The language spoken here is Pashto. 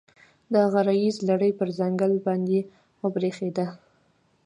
د غره ییزې لړۍ پر ځنګل باندې وبرېښېده.